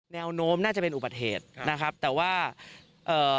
แนวโน้มน่าจะเป็นอุบัติเหตุนะครับแต่ว่าเอ่อ